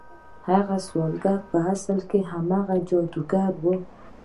هغه سوداګر په اصل کې هماغه جادوګر و.